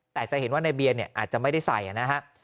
แต่จะเห็นว่าในเบียนเนี่ยอาจจะไม่ได้ใส่นะฮะ